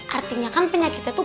artinya kan penyakitnya tuh